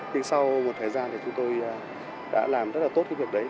nhưng sau một thời gian thì chúng tôi đã làm rất là tốt cái việc đấy